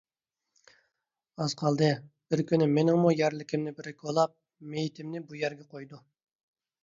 ئاز قالدى، بىر كۈنى مېنىڭمۇ يەرلىكىمنى بىرى كولاپ، مېيىتىمنى بۇ يەرگە قويىدۇ.